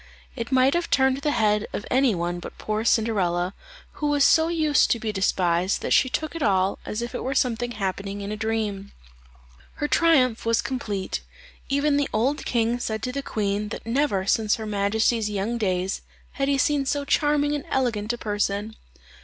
It might have turned the head of any one but poor Cinderella, who was so used to be despised, that she took it all as if it were something happening in a dream. Her triumph was complete; even the old king said to the queen, that never since her majesty's young days had he seen so charming and elegant a person.